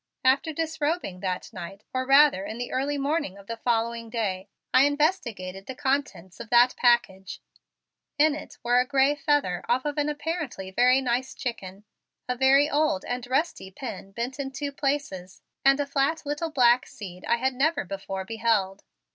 After disrobing that night, or rather in the early morning of the following day, I investigated the contents of that package. In it were a gray feather off of an apparently very nice chicken, a very old and rusty pin bent in two places and a flat little black seed I had never before beheld.